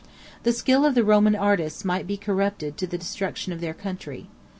The skill of the Roman artists might be corrupted to the destruction of their country.